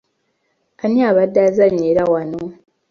Ani abadde azannyira wano.